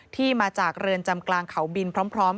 ที่มาจากเรือนจำกลางเขาบินพร้อม